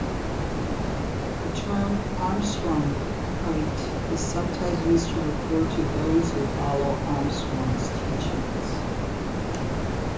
The term "Armstrongite" is sometimes used to refer to those that follow Armstrong's teachings.